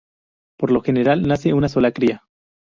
Por lo general, nace una sola cría.